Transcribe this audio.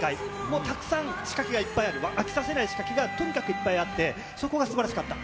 もう、たくさん仕掛けがいっぱいある、飽きさせない仕掛けがとにかくいっぱいあって、そこがすばらしかった。